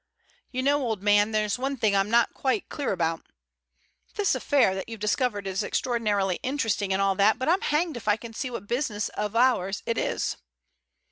"You know, old man, there's one thing I'm not quite clear about. This affair that you've discovered is extraordinarily interesting and all that, but I'm hanged if I can see what business of ours it is."